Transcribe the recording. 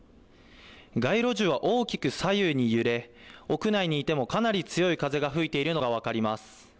街路樹は大きく左右に揺れ、屋内にいてもかなり強い風が吹いているのが分かります。